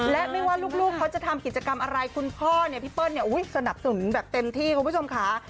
และไม่ว่าลูกเขาจะทำกิจกรรมอะไรคุณพ่อเนี่ยพี่เปิ้ลเนี่ยสนับสนุนแบบเต็มที่คุณผู้ชมค่ะ